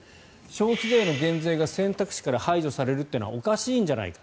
消費税の減税が選択肢から排除されるというのはおかしいのではないか。